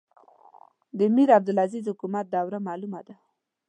د میرعبدالعزیز حکومت دوره معلومه ده.